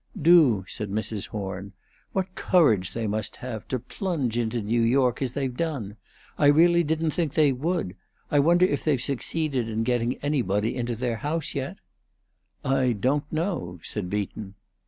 "Do," said Mrs. Horn. "What courage they must have, to plunge into New York as they've done! I really didn't think they would. I wonder if they've succeeded in getting anybody into their house yet?" "I don't know," said Beaton.